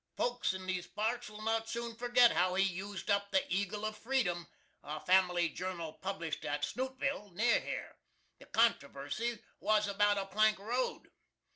Folks in these parts will not soon forgit how he used up the "Eagle of Freedom," a family journal published at Snootville, near here. The controversy was about a plank road.